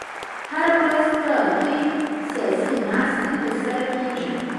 هره ورځ په کې سیاسي ناستې تر سره کېږي.